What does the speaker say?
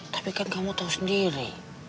tapi kan kamu tahu sendiri